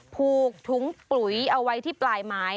ผูกถุงปุ๋ยเอาไว้ที่ปลายไม้